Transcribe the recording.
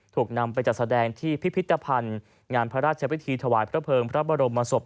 ถูกนำไปจัดแสดงที่พิพิธภัณฑ์งานพระราชพิธีถวายพระเภิงพระบรมศพ